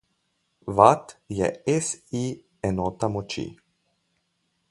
Watt je SI enota moči.